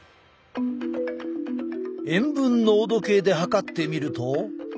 塩分濃度計で測ってみると。